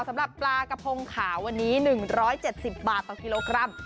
สำหรับปลากระพงขาววันนี้๑๗๐บาทต่อกิโลกรัม